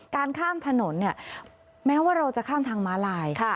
การข้ามถนนเนี่ยแม้ว่าเราจะข้ามทางม้าลาย